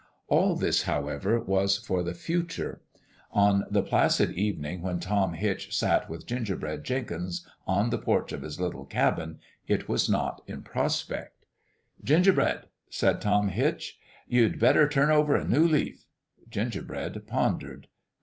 All this, however, was for the future. On the In LOVE WITH A FLOWER 81 placid evening when Tom Hitch sat with Gin gerbread Jenkins on the porch of his little cabin, it was not in prospect. " Gingerbread," said Tom Hitch, "you better turn over a new leaf." Gingerbread pondered.